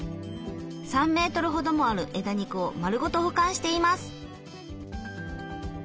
３メートルほどもある枝肉を丸ごと保管しています。